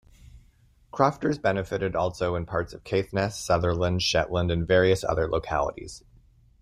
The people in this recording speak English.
Crofters benefited also in parts of Caithness, Sutherland, Shetland, and various other localities.